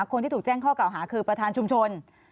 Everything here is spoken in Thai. คนที่ถูกแจ้งข้อกล่าวหาคือประธานชุมชน